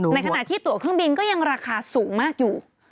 ในขณะที่ตัวเครื่องบินก็ยังราคาสูงมากอยู่